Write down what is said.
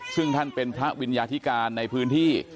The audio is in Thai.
ซึ่งท่านเป็นพระวิญญาธิการในพื้นที่